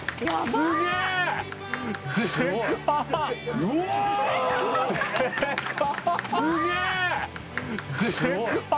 すごい！